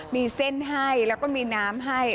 มีเส้นให้แล้วก็มีน้ำให้